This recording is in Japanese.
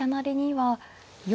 はい。